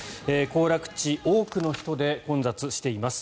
行楽地、多くの人で混雑しています。